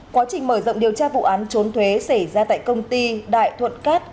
quá trình mở rộng điều tra vụ án trốn thuế xảy ra tại công ty đại thuận cát